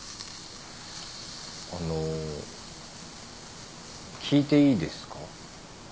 あの聞いていいですか？